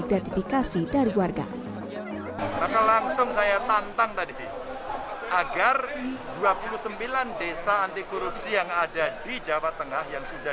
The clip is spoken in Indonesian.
gratifikasi dari warga langsung saya tantang tadi agar dua puluh sembilan desa anti korupsi yang ada di jawa